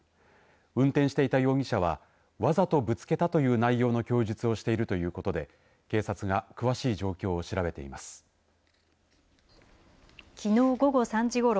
運転していた容疑者はわざとぶつけたという内容の供述をしているということで警察がきのう午後３時ごろ